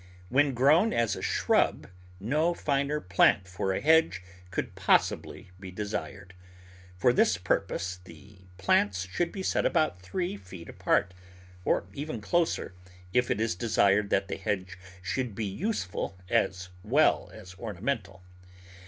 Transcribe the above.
When grown as a shrub no finer plant for a hedge could possibly be desired. For this purpose the plants should be .set about three feet apart, or even closer, if it is desired that the hedge should be useful as well as ornamental.